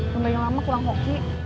nomernya lama kurang hoki